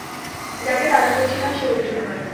যাকে তাড়া করছিলাম, সে অর্জুন নয়।